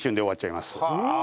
うわ！